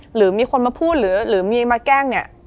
หรือมีคนมาพูดหรือมีมาแกล้งเนี่ย